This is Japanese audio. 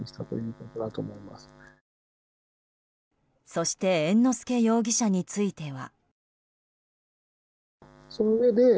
そして猿之助容疑者については。